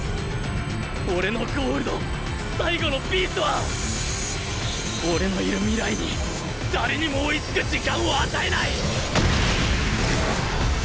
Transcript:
俺のゴールの最後のピースは俺のいる未来に誰にも追いつく時間を与えない